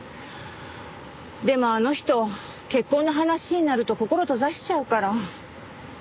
でもあの人結婚の話になると心閉ざしちゃうから。